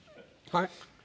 はい。